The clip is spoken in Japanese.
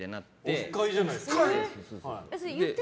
オフ会じゃないですか。